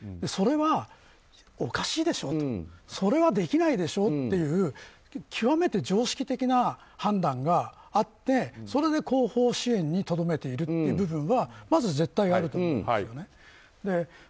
それは、おかしいでしょうとそれはできないでしょうという極めて常識的な判断があってそれで後方支援にとどめているという部分はまず絶対あると思います。